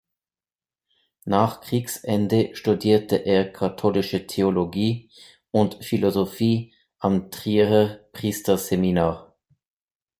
Nach Kriegsende studierte er Katholische Theologie und Philosophie am Trierer Priesterseminar.